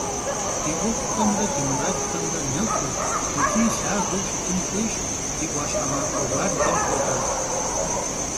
Ди ӏуэхухэмрэ ди мурадхэмрэ нэхуу икӏи лъагэу щытын хуейщ, ди ӏуащхьэмахуэ уардэм хуэдэу.